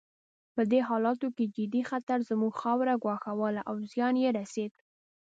په دې حالاتو کې جدي خطر زموږ خاوره ګواښله او زیان یې رسېد.